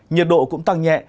nhiệt độ cũng tăng nhẹ